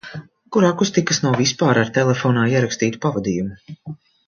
Kur akustikas nav vispār ar telefonā ierakstītu pavadījumu.